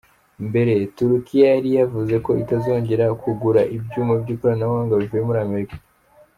Mbere, Turukiya yari yavuze ko itazongera kugura ibyuma by'ikoranabuhanga bivuye muri Amerika.